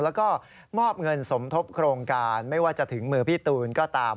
แล้วก็มอบเงินสมทบโครงการไม่ว่าจะถึงมือพี่ตูนก็ตาม